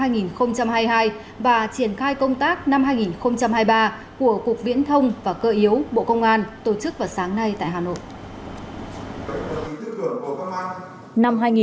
và triển khai công tác năm hai nghìn hai mươi ba của cục viễn thông và cơ yếu bộ công an tổ chức vào sáng nay tại hà nội